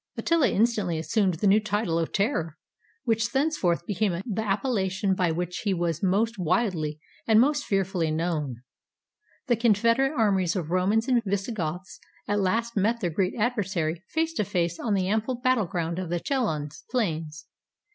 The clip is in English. Attila instantly assumed this new title of terror, which thenceforth became the appellation by which he was most widely and most fearfully known. The confederate armies of Romans and Visigoths at last met their great adversary face to face on the ample battle ground of the Chalons plains.